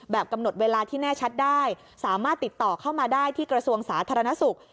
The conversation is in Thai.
กำหนดเวลาที่แน่ชัดได้สามารถติดต่อเข้ามาได้ที่กระทรวงสาธารณสุข